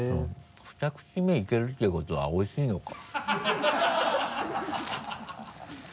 ふた口目いけるってことはおいしいのか。